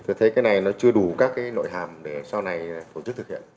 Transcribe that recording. tôi thấy cái này nó chưa đủ các nội hàm để sau này phổ chức thực hiện